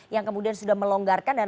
yang kemudian sudah melonggarkan